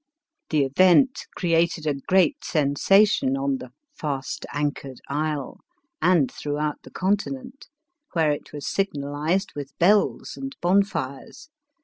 The event created a great sensation on the " fast anchored isle" and throughout the Continent, where it was sig nalized with bells and bonfires.